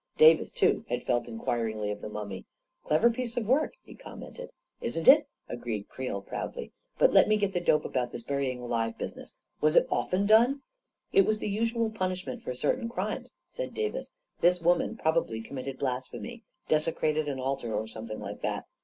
Davis, too, had felt inquiringly of the mummy. 44 A clever piece of work," he commented. 44 Isn't itl " agreed Creel proudly. 4i But let me get the dope about this burying alive business. Was it often done ?" 44 It was the usual punishment for certain crimes," said Davis. " This woman probably committed blasphemy — desecrated an altar, or something like that.